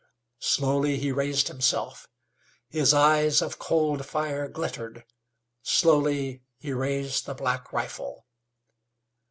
Slowly he raised himself; his eyes of cold fire glittered; slowly he raised the black rifle.